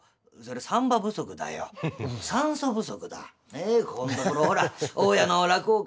ねえここんところほら大家の落語家